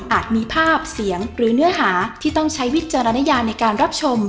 มีภาพเสียงหรือเนื้อหาที่ต้องใช้วิจารณญาในการรับชม